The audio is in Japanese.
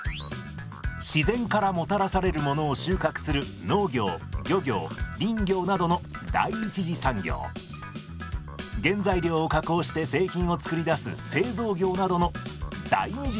自然からもたらされるものを収穫する農業漁業林業などの原材料を加工して製品を作り出す製造業などの第二次産業です。